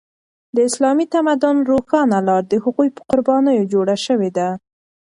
د اسلامي تمدن روښانه لاره د هغوی په قربانیو جوړه شوې ده.